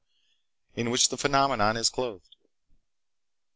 in which the phenomenon is clothed."